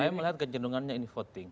saya melihat kecenderungannya ini voting